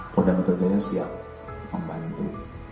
polda ibturudiana siap membantu